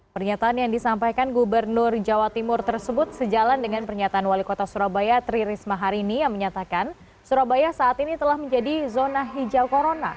pernyataan yang disampaikan gubernur jawa timur tersebut sejalan dengan pernyataan wali kota surabaya tri risma harini yang menyatakan surabaya saat ini telah menjadi zona hijau corona